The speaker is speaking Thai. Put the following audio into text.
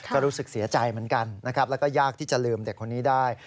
ก็รู้สึกเสียใจเหมือนกันนะครับแล้วก็ยากที่จะลืมเด็กคนนี้ได้